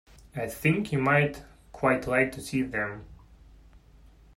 I think you might quite like to see them.